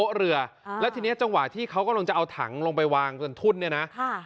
หมและทีนี้จังหวะที่เขากำลังจะเอาถังลงไปวางตอ่ะ